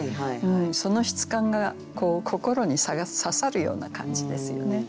その質感が心に刺さるような感じですよね。